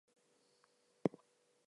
Well, so long, Bertie.